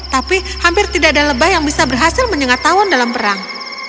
tapi hampir tidak ada lebah yang bisa berhasil menyengat tawon dalam perang